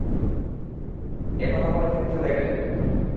এ কথা বলে তিনি চলে গেলেন।